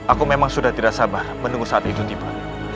aku memang sudah tidak sabar menunggu saat itu tiba